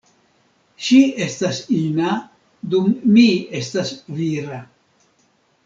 Ŝi estas ina dum mi estas vira.